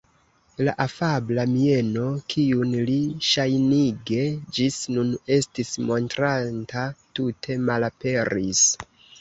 La afabla mieno, kiun li ŝajnige ĝis nun estis montranta, tute malaperis.